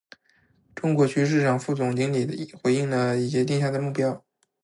中国区市场部副总经理回应了李杰定下的目标